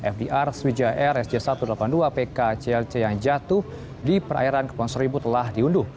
fdr sriwijaya air sj satu ratus delapan puluh dua pk clc yang jatuh di perairan kepulau seribu telah diunduh